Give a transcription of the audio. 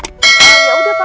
ya udah pak